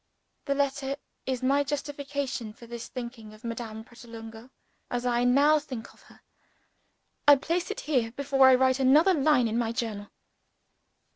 The letter is my justification for thinking of Madame Pratolungo as I now think of her. I place it here, before I write another line in my Journal.